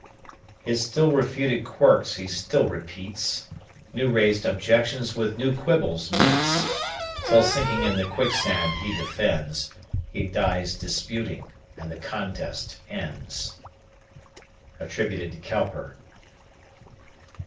His still refuted quirks he still repeats; New raised objections with new quibbles meets, Till sinking in the quicksand he defends, He dies disputing, and the contest ends. COWPER.